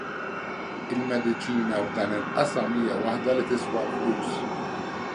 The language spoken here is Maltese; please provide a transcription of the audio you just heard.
Il-mediċina f'dan il-qasam hija waħda li tiswa l-flus.